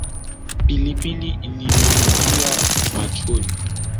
Pilipili ilimwingia machoni